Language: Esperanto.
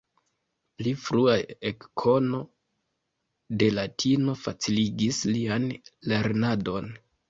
Pli frua ekkono de latino faciligis lian lernadon.